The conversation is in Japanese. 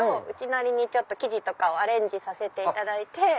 うちなりに生地とかをアレンジさせていただいて。